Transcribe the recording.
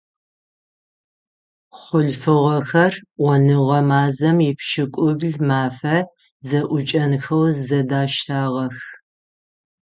Хъулъфыгъэхэр Ӏоныгъо мазэм ипшӏыкӏубл мафэ зэӏукӏэнхэу зэдаштагъэх.